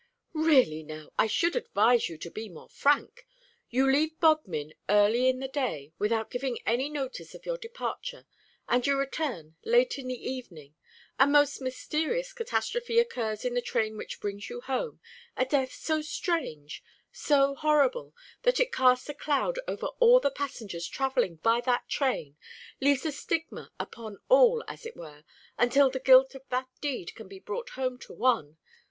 "Really, now, I should advise you to be more frank. You leave Bodmin early in the day without giving any notice of your departure and you return late in the evening. A most mysterious catastrophe occurs in the train which brings you home a death so strange, so horrible, that it casts a cloud over all the passengers travelling by that train leaves a stigma upon all, as it were, until the guilt of that deed can be brought home to one.